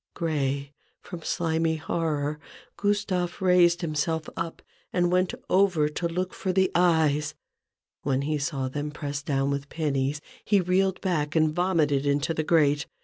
Gray from slimy horror, Gustave raised him self up, and went over to look for the eyes. When he saw them pressed down with pennies, he reeled back and vomited into the grate.